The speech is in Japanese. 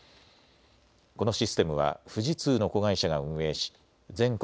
このシステムは富士通の子会社が運営し全国